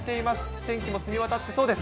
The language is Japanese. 天気も澄み渡ってそうです。